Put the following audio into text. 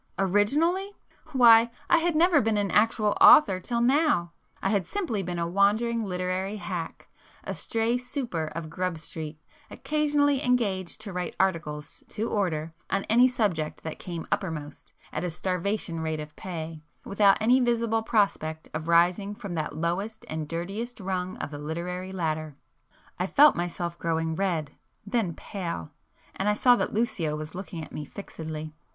'Originally'? Why, I had never been an actual 'author' till now,—I had simply been a wandering literary hack,—a stray 'super' of [p 141] Grub Street, occasionally engaged to write articles 'to order' on any subject that came uppermost, at a starvation rate of pay, without any visible prospect of rising from that lowest and dirtiest rung of the literary ladder. I felt myself growing red, then pale,—and I saw that Lucio was looking at me fixedly.